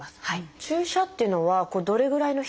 注射っていうのはどれぐらいの頻度で打つんですか？